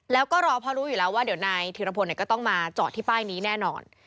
แล้วก็รอเพราะรู้อยู่แล้วว่าเดี๋ยวนายธิรพลก็ต้องมาจอดที่ป้ายนี้แน่นอน